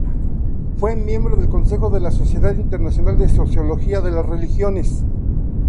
Fue miembro del Consejo de la Sociedad Internacional de Sociología de las Religiones.